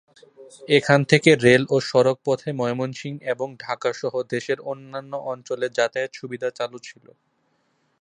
এখান থেকে রেল ও সড়ক পথে ময়মনসিংহ এবং ঢাকা সহ দেশের অন্যান্য অঞ্চলে যাতায়াত সুবিধা চালু ছিল।